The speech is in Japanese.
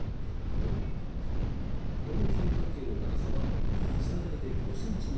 この三角形の高さは最大で５ｃｍにしかなりません。